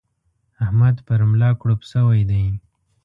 احمد پر ملا کړوپ شوی دی.